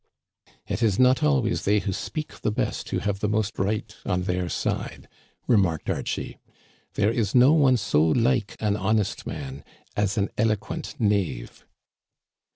It is not always they who speak the best who have most right on their side," remarked Archie. " There is no one so like an honest man as an eloquent knave."